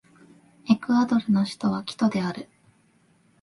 エクアドルの首都はキトである